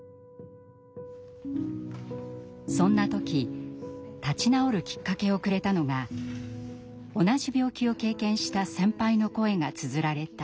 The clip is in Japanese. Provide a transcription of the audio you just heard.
そんな時立ち直るきっかけをくれたのが同じ病気を経験した先輩の声がつづられた冊子。